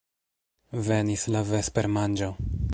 Venis la vespermanĝo.